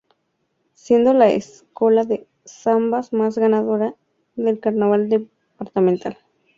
Siendo la escola de samba más ganadora del carnaval departamental.